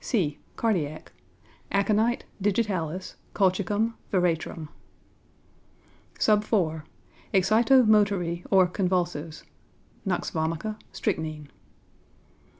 (c) Cardiac aconite, digitalis, colchicum, veratrum. 4. Excito motory or convulsives nux vomica, strychnine.